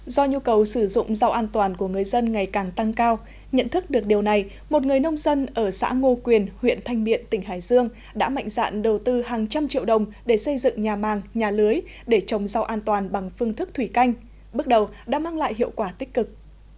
do nhu cầu sử dụng rau an toàn của người dân ngày càng tăng cao nhận thức được điều này một người nông dân ở xã ngô quyền huyện thanh miện tỉnh hải dương đã mạnh dạn đầu tư hàng trăm triệu đồng để xây dựng nhà màng nhà lưới để trồng rau an toàn bằng phương thức thủy canh bước đầu đã mang lại hiệu quả tích cực